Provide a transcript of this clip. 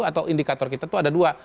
atau indikator kita itu ada dua